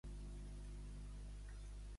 A favor de quina coalició està Montiel?